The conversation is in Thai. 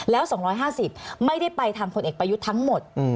แล้ว๒๕๐ไม่ได้ไปทางพลเอกประยุทธ์ทั้งหมด